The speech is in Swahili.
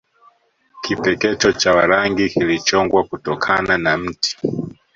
Kipekecho cha Warangi kilichongwa kutokana na mti